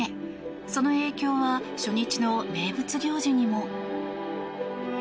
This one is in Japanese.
その影響は初日の名物行事にも。